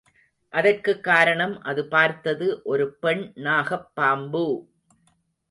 அதற்குக் காரணம், அது பார்த்தது ஒரு பெண் நாகப் பாம்பு!